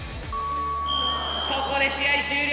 ここで試合終了。